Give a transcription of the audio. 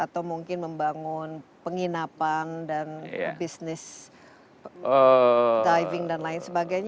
atau mungkin membangun penginapan dan bisnis diving dan lain sebagainya